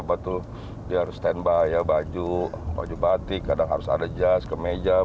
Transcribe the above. bahan harian termasuk baju harus tersedia di dalam kendaraan